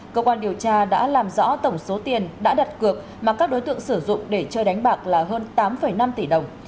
cơ quan điều tra đã làm rõ tổng số tiền đã đặt cược mà các đối tượng sử dụng để chơi đánh bạc là hơn tám năm tỷ đồng